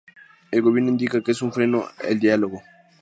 El Gobierno indica que es un freno al diálogo.